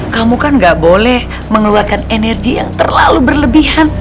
kamu kan gak boleh mengeluarkan energi yang terlalu berlebihan